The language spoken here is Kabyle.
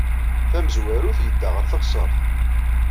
Tamezwarut, yedda ɣer teɣsert.